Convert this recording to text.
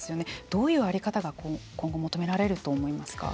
どういう在り方が今後求められると思いますか。